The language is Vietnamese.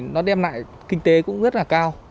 nó đem lại kinh tế cũng rất là cao